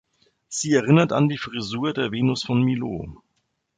Sie erinnert an die Frisur der Venus von Milo.